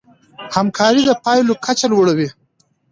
همکاري د پايلو کچه لوړوي.